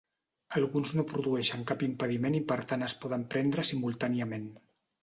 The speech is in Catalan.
Alguns no produeixen cap impediment i per tant es poden prendre simultàniament.